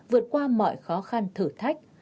vượt qua mọi khó khăn thử thách